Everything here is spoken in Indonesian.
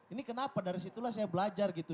ini kenapa dari situlah saya belajar gitu